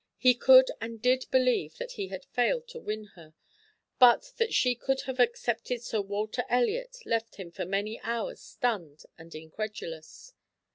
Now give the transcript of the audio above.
He could and did believe that he had failed to win her, but that she could have accepted Sir Walter Elliot left him for many hours stunned and incredulous.